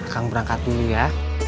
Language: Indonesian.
kang berangkat dulu ya